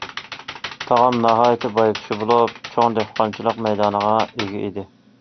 تاغام ناھايىتى باي كىشى بولۇپ، چوڭ دېھقانچىلىق مەيدانىغا ئىگە ئىدى.